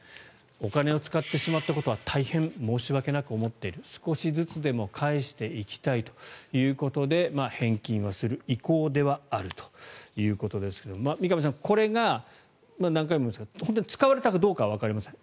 お金を使ってしまったことは大変申し訳なく思っている少しずつでも返していきたいということで返金は、する意向ではあるということですが三上さん、これが何回も言いますが使われたかどうかはわかりません。